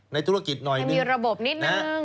ในธุรกิจหน่อยนึง